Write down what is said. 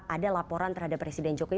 ada laporan terhadap presiden jokowi